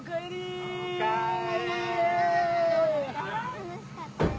楽しかったよ。